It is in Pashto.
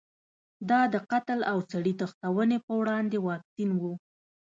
دا د قتل او سړي تښتونې په وړاندې واکسین و.